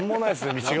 道が。